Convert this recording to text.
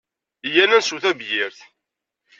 Yya-n ad nsew tabyirt!